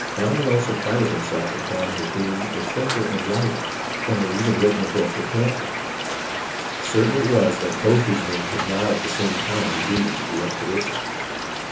Allen also prided himself upon his being a thinker and writer, and had even written a book or pamphlet. Certain it was that both these men could not at the same time be leaders of the expedition.